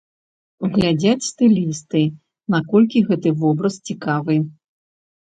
Глядзяць стылісты, наколькі гэты вобраз цікавы.